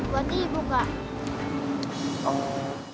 buat ibu kak